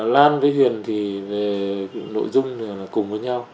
lan với huyền thì về nội dung cùng với nhau